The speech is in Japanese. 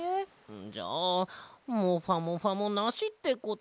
じゃあもふぁもふぁもなしってことか。